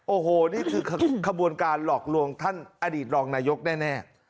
โอ้โหนี่คือขบวนการหลอกลวงท่านอดีตรองนายกแน่